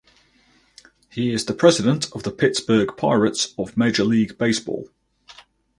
He is the president of the Pittsburgh Pirates of Major League Baseball.